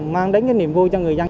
mang đến cái niềm vui cho người dân